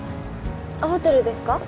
ホテルですか？